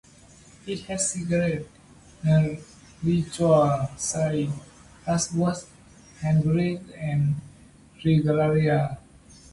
It had secret rituals, signs, passwords, hand grips and regalia.